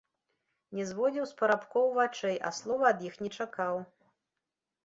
Не зводзіў з парабкоў вачэй, а слова ад іх не чакаў.